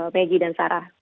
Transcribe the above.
peggy dan sarah